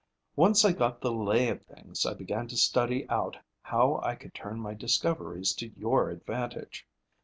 Once I got the lay of things, I began to study out how I could turn my discoveries to your advantage.